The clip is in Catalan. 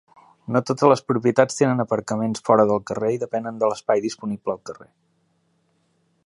No totes les propietats tenen aparcaments fora del carrer i depenen de l'espai disponible al carrer.